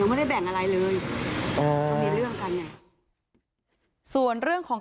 ยังไม่ได้แบ่งอะไรเลยอ๋อมันมีเรื่องกันไง